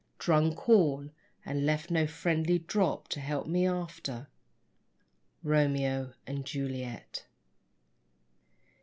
drunk all, and left no friendly drop_ _To help me after. Romeo and Juliet.